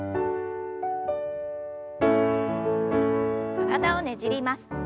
体をねじります。